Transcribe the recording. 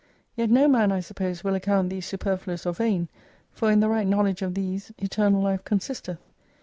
Yet no man, I suppose, will account these superfluous, or vain, for in the right knowledge of these Eternal Life consisteth.